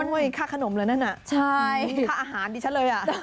ก้าวเว้ยค่าขนมเลยนั่นน่ะค่าอาหารดีชัดเลยอ่ะ